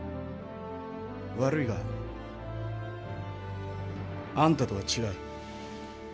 悪いがあんたとは違う。